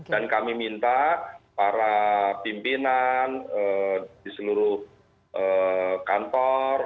kami minta para pimpinan di seluruh kantor